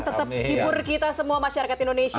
tetap hibur kita semua masyarakat indonesia